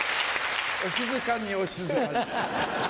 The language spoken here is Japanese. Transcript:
お静かにお静かに。